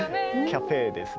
キャフェーですね。